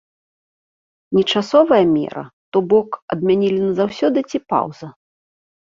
Не часовая мера, то бок, адмянілі назаўсёды ці паўза?